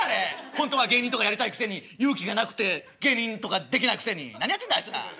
ほんとは芸人とかやりたいくせに勇気がなくて芸人とかできないくせに何やってんだあいつら。